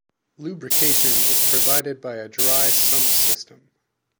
Lubrication is provided by a dry sump system.